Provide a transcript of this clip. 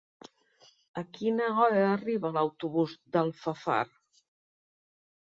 A quina hora arriba l'autobús d'Alfafar?